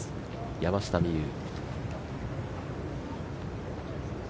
山下美夢有。